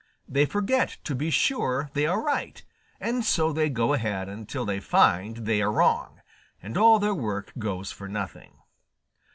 They forget to be sure they are right, and so they go ahead until they find they are wrong, and all their work goes for nothing.